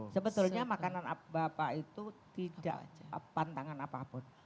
sebetulnya makanan bapak itu tidak pantangan apapun